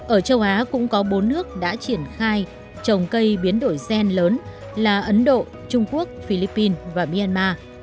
ở châu á cũng có bốn nước đã triển khai trồng cây biến đổi gen lớn là ấn độ trung quốc philippines và myanmar